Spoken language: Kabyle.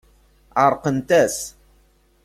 Ɛerqent-as.